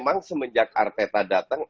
memang semenjak arteta datang